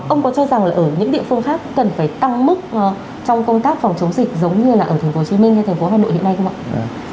ông có cho rằng là ở những địa phương khác cần phải tăng mức trong công tác phòng chống dịch giống như là ở tp hcm hay tp hcm hiện nay không ạ